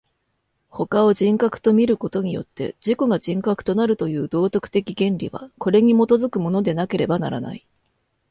他を人格と見ることによって自己が人格となるという道徳的原理は、これに基づくものでなければならない。